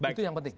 itu yang penting